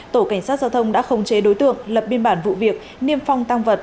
tổ cảnh sát giao thông đã khống chế đối tượng lập biên bản vụ việc niêm phong tăng vật